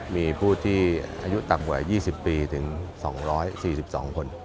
มีผู้ที่อายุต่ำกว่า๒๐ปีถึง๒๔๒คน